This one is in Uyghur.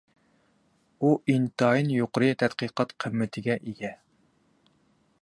ئۇ ئىنتايىن يۇقىرى تەتقىقات قىممىتىگە ئىگە.